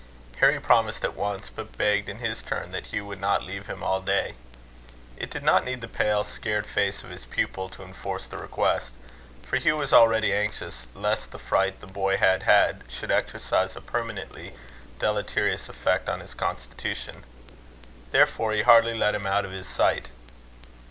Harry promised at once, but begged in his turn that Hugh would not leave him all day. It did not need the pale scared face of his pupil to enforce the request; for Hugh was already anxious lest the fright the boy had had, should exercise a permanently deleterious effect on his constitution. Therefore he hardly let him out of his sight.